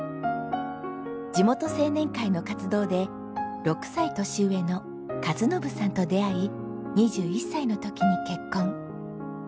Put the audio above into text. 地元青年会の活動で６歳年上の和信さんと出会い２１歳の時に結婚。